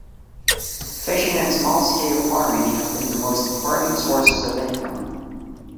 Fishing and small-scale farming have been the most important sources of income.